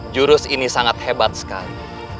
jurus ini sangat hebat sekali